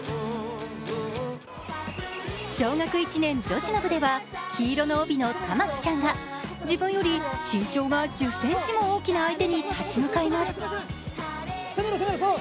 小学１年女子の部では黄色の帯の珠季ちゃんが自分より身長が１０ｃｍも大きな相手に立ち向かいます。